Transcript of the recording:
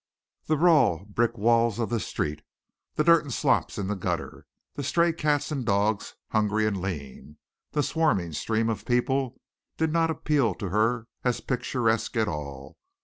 The raw brick walls of the street, the dirt and slops in the gutter, the stray cats and dogs hungry and lean, the swarming stream of people, did not appeal to her as picturesque at all.